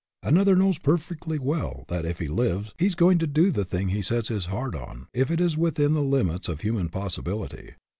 Another knows perfectly well that, if he lives, he is going to do the thing he sets his heart on if it is within the limits of human possibility.